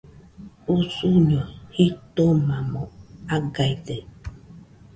Usuño jitomamo agaide.